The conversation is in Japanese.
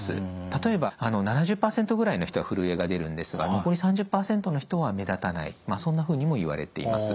例えば７０％ぐらいの人がふるえが出るんですが残り３０％の人は目立たないそんなふうにもいわれています。